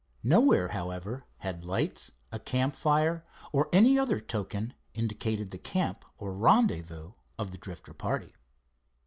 Nowhere, however, had lights, a campfire or any other token indicated the camp or rendezvous of the Drifter party.